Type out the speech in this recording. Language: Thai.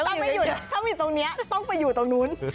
ต้องไปหยุดต้องอยู่ตรงนี้ต้องไปอยู่ตรงนู้น